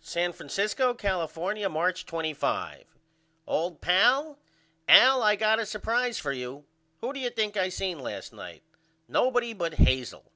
San Francisco, California, March 25. OLD PAL: Al I got a supprise for you. Who do you think I seen last night? Nobody but Hazel.